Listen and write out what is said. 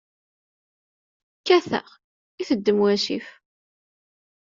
Kkateɣ, iteddem wasif.